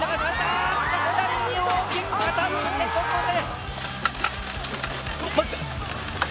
ああっと左に大きく傾いてここで。